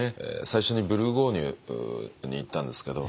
最初にブルゴーニュに行ったんですけど。